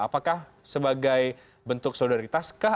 apakah sebagai bentuk solidaritas kah